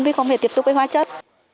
với không thể tiếp xúc với hóa chất